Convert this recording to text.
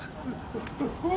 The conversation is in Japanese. うわ！？